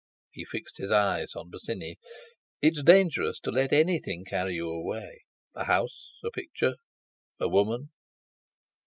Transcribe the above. He fixed his eyes on Bosinney: "It's dangerous to let anything carry you away—a house, a picture, a—woman!"